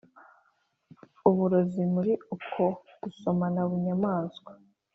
uburozi muri uko gusomana bunyamaswa